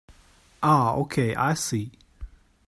Oh okay, I see.